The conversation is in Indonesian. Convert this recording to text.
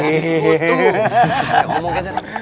bisa omong keser